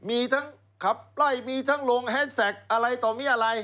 มีทั้งขับไล่มีทั้งลงแฮสแท็กอะไรต่อมีอะไร